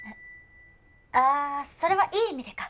あそれはいい意味でか。